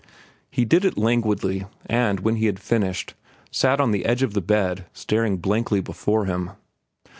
He did it languidly, and, when he had finished, sat on the edge of the bed staring blankly before him.